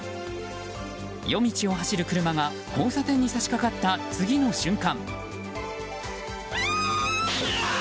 夜道を走る車が交差点に差し掛かった次の瞬間。